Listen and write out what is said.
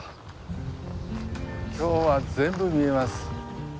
今日は全部見えます。